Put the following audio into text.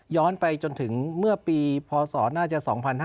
ย้อนไปจนถึงเมื่อปีพศน่าจะ๒๕๔๓